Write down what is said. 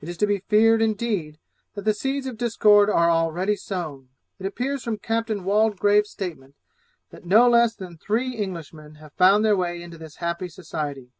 It is to be feared, indeed, that the seeds of discord are already sown. It appears from Captain Waldegrave's statement, that no less than three Englishmen have found their way into this happy society.